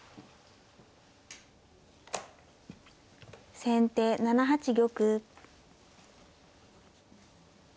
先手７八玉。